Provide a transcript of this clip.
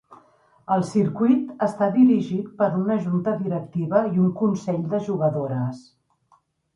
El circuit està dirigit per una junta directiva i un consell de jugadores.